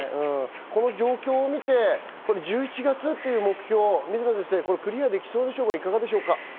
この状況を見て１１月という目標、水野先生、クリアできそうでしょうか？